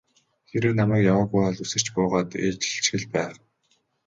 Хэрэв намайг яваагүй бол үсэрч буугаад ээлжилчих л байх.